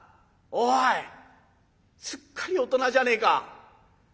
おいすっかり大人じゃねえか。